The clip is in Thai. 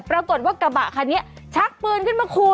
ปรากฏว่ากระบะคันนี้ชักปืนขึ้นมาขู่